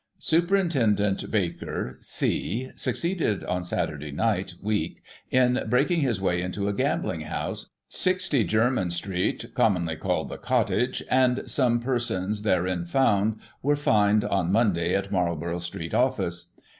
Superintendent Baker, C, succeeded on Saturday night week, in breaking his way into a gambling house, 60 Jermyn Street (commonly called the Cottage), and some persons, therein found, were fined, on Monday, at Marlborough Street Office.